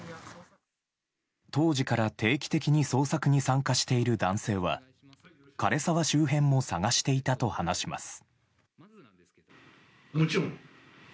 当時から定期的に捜索に参加している男性は枯れ沢周辺も捜していたと話します。